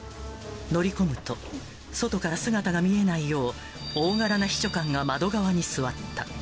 乗り込むと、外から姿が見えないよう、大柄な秘書官が窓側に座った。